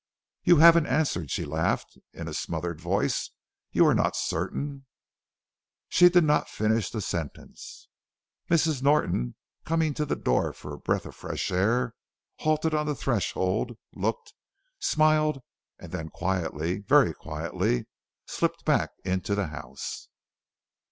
"You haven't answered," she laughed, in a smothered voice; "you are not certain " She did not finish the sentence. Mrs. Norton, coming to the door for a breath of fresh air, halted on the threshold, looked, smiled, and then quietly very quietly slipped back into the house.